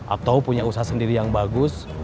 atau punya usaha sendiri yang bagus